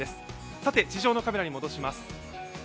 さて地上のカメラに戻します。